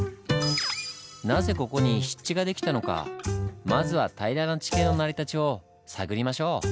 なぜここに湿地が出来たのかまずは平らな地形の成り立ちを探りましょう！